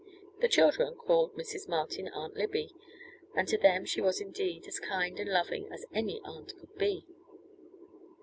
The children called Mrs. Martin, Aunt Libby, and to them she was indeed as kind and loving as any aunt could be.